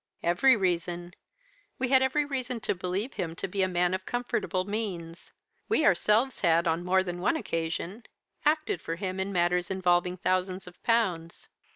"'Every reason! We had every reason to believe him to be a man of comfortable means. We ourselves had, on more than one occasion, acted for him in matters involving thousands of pounds.